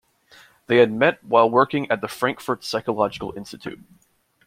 They had met while working at the Frankfurt Psychological Institute.